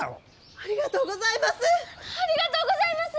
ありがとうございます！